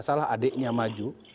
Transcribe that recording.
tidak salah adiknya maju